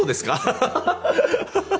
ハハハハ。